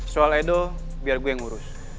soal edo biar gue yang ngurus